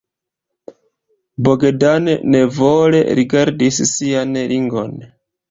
Bogdan nevole rigardis sian ringon.